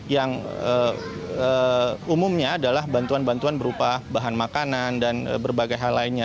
yang umumnya adalah bantuan bantuan berupa bahan makanan dan berbagai hal lainnya